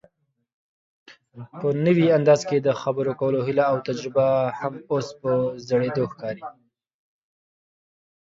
په نوي انداز کې دخبرو کولو هيله اوتجربه هم اوس په زړېدو ښکاري